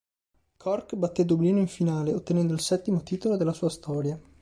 Cork batté Dublino in finale, ottenendo il settimo titolo della sua storia.